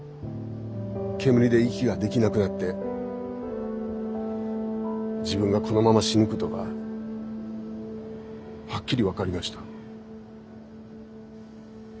煙で息ができなくなって自分がこのまま死ぬことがはっきり分かりました。